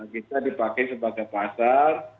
kita dipakai sebagai pasar